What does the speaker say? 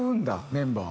メンバー。